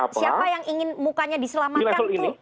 siapa yang ingin mukanya diselamatkan tuh